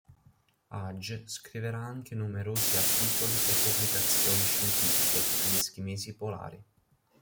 Aage scriverà anche numerosi articoli e pubblicazioni scientifiche sugli eschimesi polari.